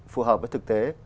phù hợp với thực tế